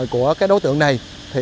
của đối tượng này